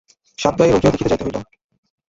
সাতগাঁয়ে রোগীও দেখিতে যাইতে হইল।